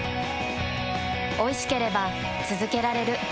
おいしければつづけられる。